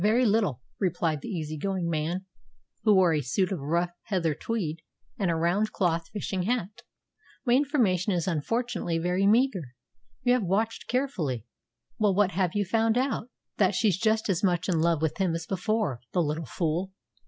"Very little," replied the easy going man, who wore a suit of rough heather tweed and a round cloth fishing hat. "My information is unfortunately very meagre. You have watched carefully. Well, what have you found out?" "That she's just as much in love with him as before the little fool!"